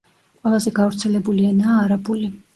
ყველაზე გავრცელებული ენაა არაბული.